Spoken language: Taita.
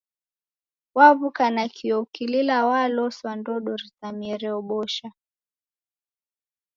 Waw'uka nakio ukilila waloswa ndodo rizamie reobosha.